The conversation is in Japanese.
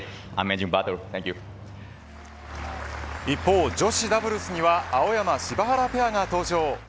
一方、女子ダブルスには青山、柴原ペアが登場。